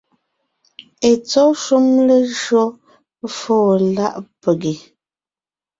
Etsɔ́ shúm lejÿo fóo láʼ pege,